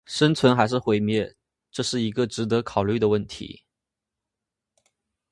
生存还是毁灭，这是一个值得考虑的问题